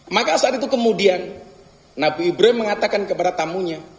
maka saat itu kemudian nabi ibrahim mengatakan kepada tamunya